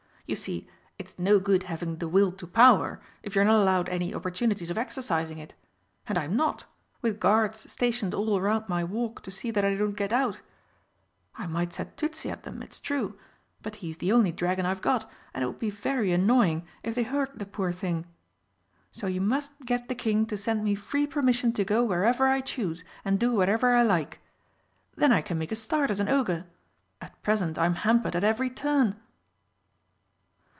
You see, it's no good having the Will to Power if you're not allowed any opportunities of exercising it. And I'm not, with guards stationed all round my walk to see that I don't get out. I might set Tützi at them, it's true, but he is the only dragon I've got, and it would be very annoying if they hurt the poor thing. So you must get the King to send me free permission to go wherever I choose and do whatever I like. Then I can make a start as an Ogre. At present I'm hampered at every turn!"